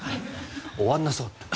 終わらなさそう。